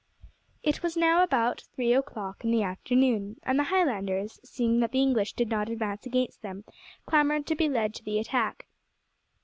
It was now about three o'clock in the afternoon, and the Highlanders, seeing that the English did not advance against them, clamoured to be led to the attack.